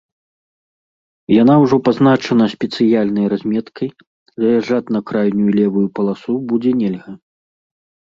Яна ўжо пазначана спецыяльнай разметкай, заязджаць на крайнюю левую паласу будзе нельга.